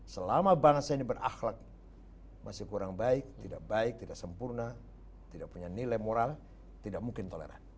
selama bangsa ini berakhlak masih kurang baik tidak baik tidak sempurna tidak punya nilai moral tidak mungkin toleran